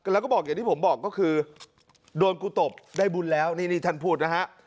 แล้วก็บอกอย่างที่ผมบอกก็คือโดนกูตบได้บุญแล้วนี่ท่านพูดนะฮะ